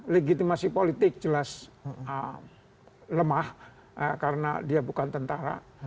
legitimasi politik jelas lemah karena dia bukan tentara